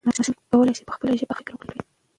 ماشوم کولی سي په خپله ژبه ښه فکر وکړي.